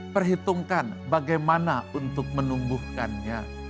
perhitungkan bagaimana untuk menumbuhkannya